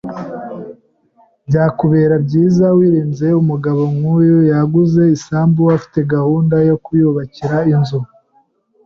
Byakubera byiza wirinze umugabo nkuyu. Yaguze isambu afite gahunda yo kuyubakira inzu.